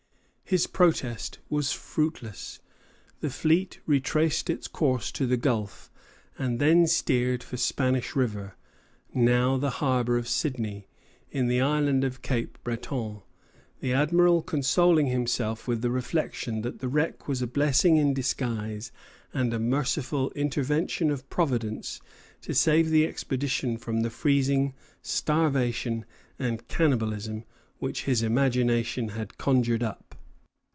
" His protest was fruitless. The fleet retraced its course to the gulf, and then steered for Spanish River, now the harbor of Sydney, in the Island of Cape Breton; the Admiral consoling himself with the reflection that the wreck was a blessing in disguise and a merciful intervention of Providence to save the expedition from the freezing, starvation, and cannibalism which his imagination had conjured up.